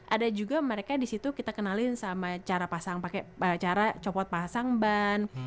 ada juga mereka di situ kita kenalin sama cara pasang cara copot pasang ban